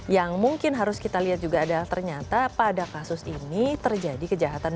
yang mungkin harus kita lihat juga adalah ternyata pada kasus ini terjadi kejahatan